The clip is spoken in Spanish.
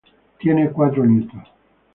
Tiene cuatro nietos.